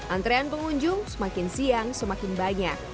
antrean pengunjung semakin siang semakin banyak